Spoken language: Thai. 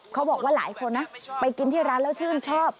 เขาบอกว่าหลายคนนะไปกินที่ร้านแล้วชื่นชอบ